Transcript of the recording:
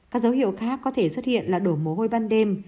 các dấu hiệu khác có thể xuất hiện là đổ mồ hôi ban đêm